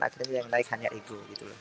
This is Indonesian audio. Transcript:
akhirnya yang naik hanya ego